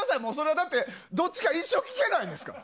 だって、どっちか一生聴けないですから。